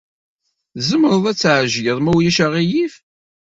Tzemreḍ ad tɛejleḍ, ma ulac aɣilif?